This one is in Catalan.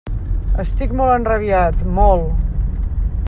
Estic molt enrabiat, molt!